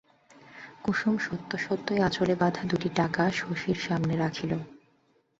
কুসুম সত্য সত্যই আঁচলে বাধা দুটি টাকা শশীর সামনে রাখিল।